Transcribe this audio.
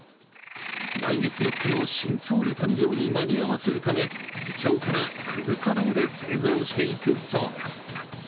来月４日の新総理誕生に間に合わせるため今日からフル稼働で製造していくそうです。